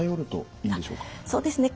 そうですね